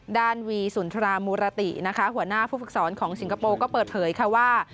วีสุนทรามูรตินะคะหัวหน้าผู้ฝึกสอนของสิงคโปร์ก็เปิดเผยค่ะว่า